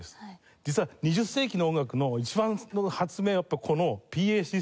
実は２０世紀の音楽の一番の発明はやっぱこのＰＡシステムなの。